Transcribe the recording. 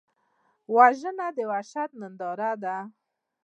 وژنه د وحشت ننداره ده